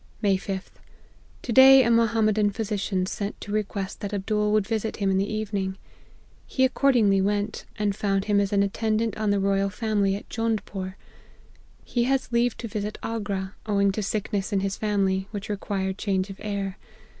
" May 5th. To day a Mohammedan physician sent to request that Abdool would visit him in the evening. He accordingly went, and found him as an attendant on the Royal Family at Jondpore. He has leave to visit Agra, owing to sickness in his family, which required change of air.